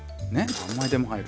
何枚でも入る。